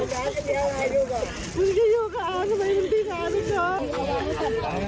ว้าวว้าวววววว้าววววว